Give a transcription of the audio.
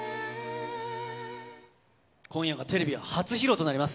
今夜がテレビ初披露となります。